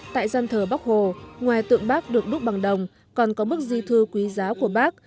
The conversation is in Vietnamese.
tại gian thờ bắc hồ ngoài tượng bác được đúc bằng đồng còn có bức di thư quý giá của bác